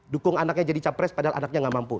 dukung anaknya jadi capres padahal anaknya gak mampu